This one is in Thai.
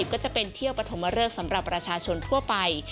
ก็จะเป็นเที่ยวประถมทริย์เริ่มสำหรับประชาชนทั่วไป